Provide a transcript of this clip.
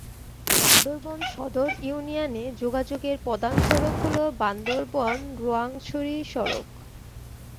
বান্দরবান সদর ইউনিয়নে যোগাযোগের প্রধান সড়ক হল বান্দরবান-রোয়াংছড়ি সড়ক।